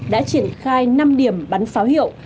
đã triển khai năm điểm bắn pháo hiệu